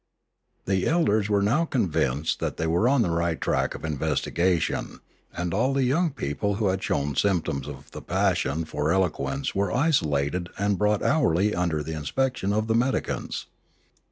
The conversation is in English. The elders were now convinced that they were on the right track of investigation, and all the young peo ple who had shown symptoms of the passion for elo quence were isolated and brought hourly under the inspection of the medicants.